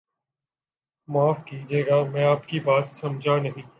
معاف کیجئے میں آپ کی بات سمجھانہیں